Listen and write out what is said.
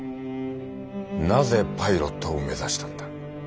なぜパイロットを目指したんだ。